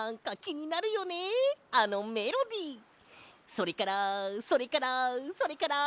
「それからそれからそれから」